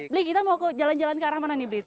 bli kita mau jalan jalan ke arah mana nih blip